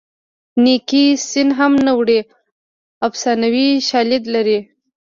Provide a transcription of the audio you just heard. نیکي سین هم نه وړي افسانوي شالید لري